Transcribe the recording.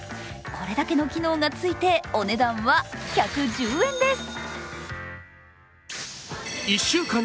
これだけの機能がついてお値段は１１０円です。